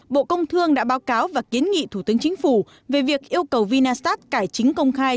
bộ công thương đã báo cáo và kiến nghị thủ tướng chính phủ về việc yêu cầu vinasat cải chính công khai